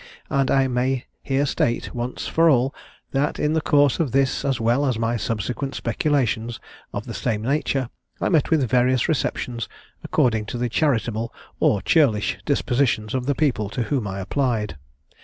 and I may here state, once for all, that in the course of this as well as my subsequent speculations of the same nature, I met with various receptions according to the charitable or churlish dispositions of the people to whom I applied.